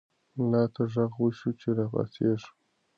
ملا ته غږ وشو چې راپاڅېږه.